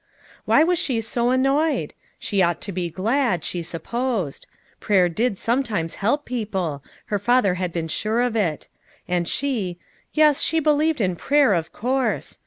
Why was she so annoyed? She ought to be glad, she sup posed; prayer did sometimes help people, her father had been sure of it ; and she — yes, she be lieved in prayer, of course.